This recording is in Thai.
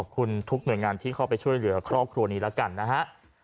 ทุกหน่วยงานที่เข้าไปช่วยเหลือครอบครัวนี้แล้วกันนะฮะ